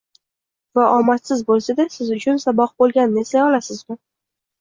Va omadsiz boʻlsa-da, siz uchun saboq boʻlganini eslay olasizmi?